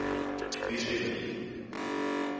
Virgem Maria